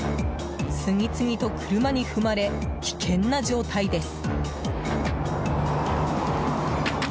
次々と車に踏まれ危険な状態です。